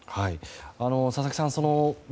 佐々木さん